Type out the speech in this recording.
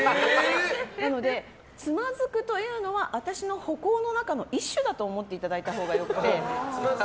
だから、つまずくというのは私の歩行の中の一種だと思っていただいたほうがよくて。